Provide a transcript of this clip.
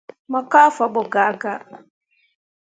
Mo kah fabo gaa gaa.